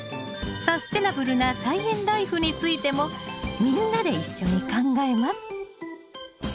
サステナブルな菜園ライフについてもみんなで一緒に考えます。